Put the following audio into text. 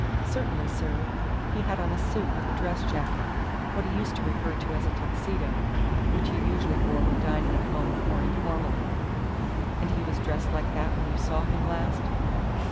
"Certainly, sir. He had on a suit with a dress jacket, what he used to refer to as a Tuxedo, which he usually wore when dining at home or informally." "And he was dressed like that when you saw him last?"